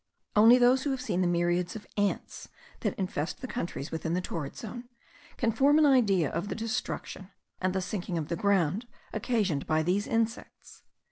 Only those who have seen the myriads of ants, that infest the countries within the torrid zone, can form an idea of the destruction and the sinking of the ground occasioned by these insects.